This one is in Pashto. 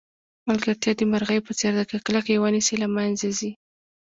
ملګرتیا د مرغۍ په څېر ده که کلکه یې ونیسئ له منځه ځي.